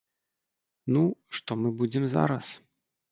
Ну, што мы будзем зараз!